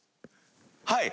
「はい！」